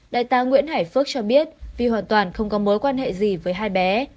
đại tá nguyễn hải phước cho biết vì hoàn toàn không có mối quan hệ gì với hai bé